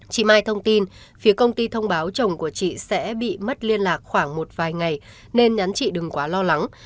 chị mai thông tin phía công ty thông báo chồng của chị sẽ bị mất liên lạc khoảng một vài ngày nên nhắn chị đừng quá lo lắng